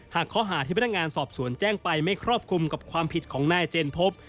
หากข้อหาที่พนักงานสอบสวนแจ้งไปไม่ครอบคลุมกับความผิดของนายเจนพบ